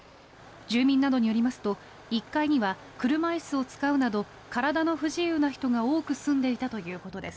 住民などによりますと１階には車椅子を使うなど体の不自由な人が多く住んでいたということです。